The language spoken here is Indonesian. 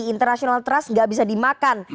international trust nggak bisa dimakan